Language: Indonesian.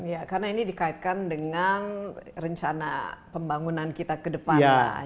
ya karena ini dikaitkan dengan rencana pembangunan kita ke depan lah